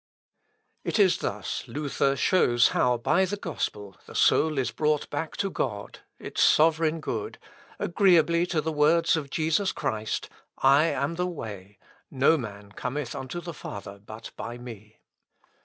It is thus Luther shows how, by the gospel, the soul is brought back to God its sovereign good, agreeably to the words of Jesus Christ, "I am the way; no man cometh unto the Father but by me."